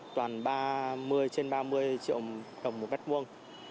toàn ba mươi trên ba mươi triệu đồng một mét vuông